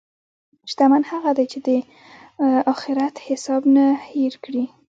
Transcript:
شتمن هغه دی چې د اخرت حساب نه هېر کړي.